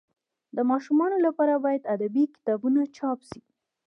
د ماشومانو لپاره باید ادبي کتابونه چاپ سي.